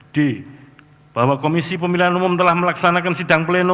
d bahwa komisi pemilihan umum telah melaksanakan sidang pleno